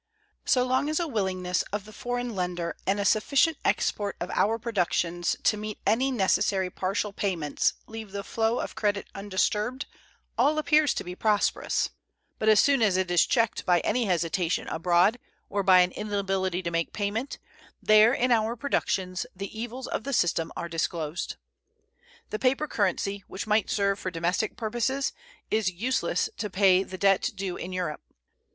So long as a willingness of the foreign lender and a sufficient export of our productions to meet any necessary partial payments leave the flow of credit undisturbed all appears to be prosperous, but as soon as it is checked by any hesitation abroad or by an inability to make payment there in our productions the evils of the system are disclosed. The paper currency, which might serve for domestic purposes, is useless to pay the debt due in Europe.